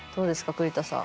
栗田さん。